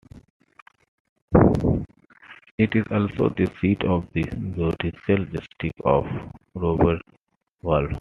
It is also the seat of the judicial district of Roberval.